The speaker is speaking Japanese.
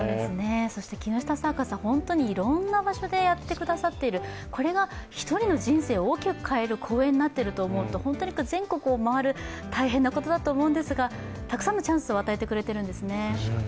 そして木下サーカスは本当にいろんな場所でやってくださっている、これが１人の人生を大きく変える公演になっていると思うと本当に全国を回る、大変なことだと思うんですが、たくさんのチャンスを与えてくれてるんですね。